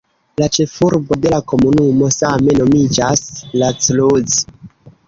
La ĉefurbo de la komunumo same nomiĝas "La Cruz".